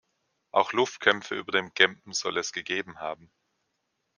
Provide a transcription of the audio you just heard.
Auch Luftkämpfe über dem Gempen soll es gegeben haben.